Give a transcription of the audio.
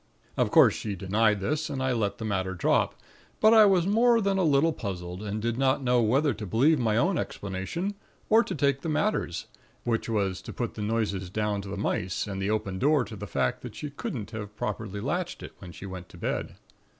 Of course, she denied this, and I let the matter drop; but I was more than a little puzzled, and did not know whether to believe my own explanation, or to take the mater's, which was to put the noises down to the mice, and the open door to the fact that she couldn't have properly latched it, when she went to bed.